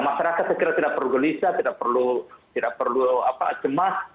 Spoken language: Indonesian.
masyarakat sekiranya tidak perlu gelisah tidak perlu cemas